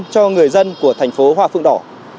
cho người dân của thành phố hòa phượng đỏ